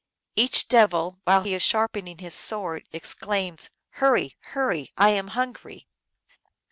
Each devil, while he is sharpening his sword, exclaims, " Hurry ! hurry ! I am hungry